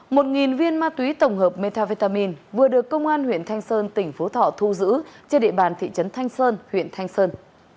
một viên ma túy tổng hợp metavitamin vừa được công an huyện thanh sơn tỉnh phú thọ thu giữ trên địa bàn thị trấn thanh sơn huyện thanh sơn